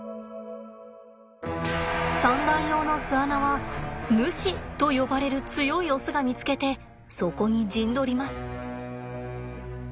産卵用の巣穴はヌシと呼ばれる強いオスが見つけてそこに陣取ります。